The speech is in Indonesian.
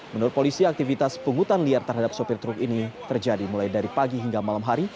menurut polisi aktivitas penghutan liar terhadap sopir truk ini terjadi mulai dari pagi hingga malam hari